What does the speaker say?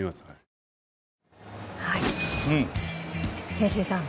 憲伸さん